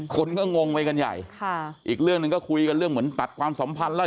คนก็งงไปกันใหญ่ค่ะอีกเรื่องหนึ่งก็คุยกันเรื่องเหมือนตัดความสัมพันธ์แล้ว